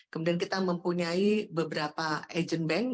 kemudian kita mempunyai beberapa agent bank